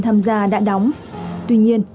tham gia đã đóng tuy nhiên